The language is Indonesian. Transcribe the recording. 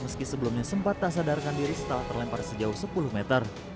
meski sebelumnya sempat tak sadarkan diri setelah terlempar sejauh sepuluh meter